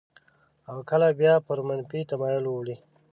او کله بیا پر منفي تمایل اوړي.